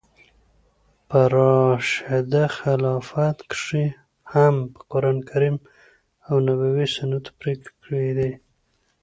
په راشده خلافت کښي هم پر قرانکریم او نبوي سنتو پرېکړي کېدې.